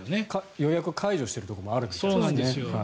予約を解除しているところもあるみたいですね。